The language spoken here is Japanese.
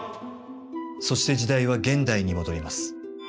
そして時代は現代に戻ります。